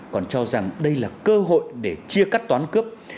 còn cho rằng đây là cơ hội để chia cắt toán cướp